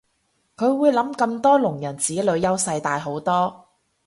但會諗咁多聾人子女優勢大好多